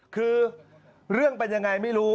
คือเรื่องเป็นยังไงไม่รู้